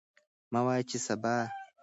مه وایئ چې سبا.